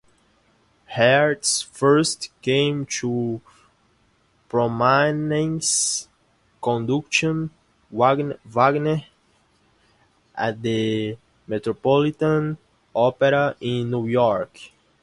Hertz first came to prominence conducting Wagner at the Metropolitan Opera in New York.